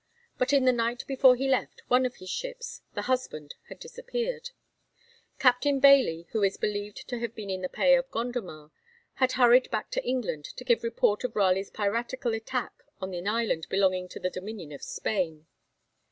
But in the night before he left, one of his ships, the 'Husband,' had disappeared. Captain Bailey, who is believed to have been in the pay of Gondomar, had hurried back to England to give report of Raleigh's piratical attack on an island belonging to the dominion of Spain.